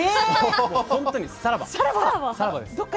本当にさらばです。